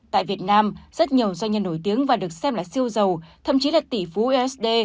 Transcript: tại việt nam rất nhiều doanh nhân nổi tiếng và được xem là siêu giàu thậm chí là tỷ phú esd